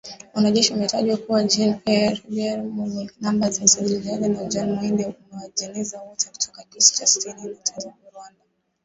Wanajeshi wametajwa kuwa Jean Pierre Habyarimana mwenye namba za usajili na John Muhindi Uwajeneza, wote kutoka kikosi cha sitini na tano cha jeshi la Rwanda